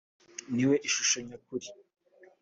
ni we shusho nyakuri